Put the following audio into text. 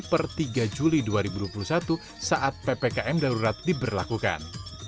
per tiga juli dua ribu dua puluh satu saat ppkm darurat diberlakukan